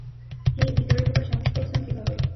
হেই, ভিতরে ঢুকার সাহস করছেন কীভাবে?